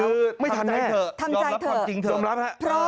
คือไม่ทันแน่ทำใจเถอะยอมรับความจริงเถอะ